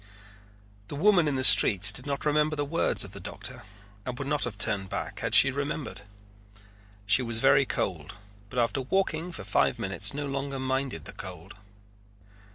The woman in the streets did not remember the words of the doctor and would not have turned back had she remembered. She was very cold but after walking for five minutes no longer minded the cold.